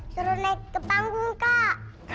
suruh naik ke panggung kak